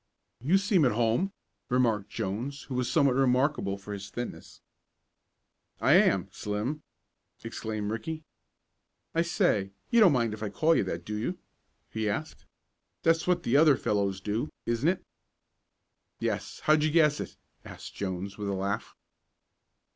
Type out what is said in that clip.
"You seem at home," remarked Jones, who was somewhat remarkable for his thinness. "I am Slim!" exclaimed Ricky. "I say, you don't mind if I call you that; do you?" he asked. "That's what the other fellows do; isn't it?" "Yes. How'd you guess it?" asked Jones, with a laugh.